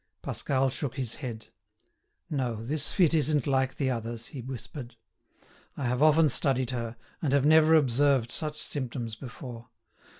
Pascal shook his head. "No, this fit isn't like the others," he whispered. "I have often studied her, and have never observed such symptoms before.